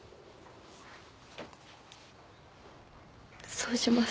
そうします。